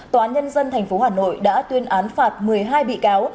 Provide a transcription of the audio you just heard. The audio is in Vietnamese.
tòa án nhân dân tp hà nội đã tuyên án phạt một mươi hai bị cáo